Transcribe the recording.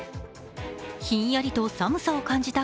ひんやりと寒さを感じた